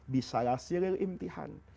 bisalah siril imtihan